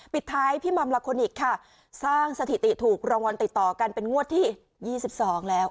ปิดท้ายพี่มัมลาโคนิคค่ะสร้างสถิติถูกรางวัลติดต่อกันเป็นงวดที่๒๒แล้ว